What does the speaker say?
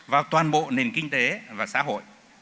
vào toàn bộ nền kinh tế và xã hội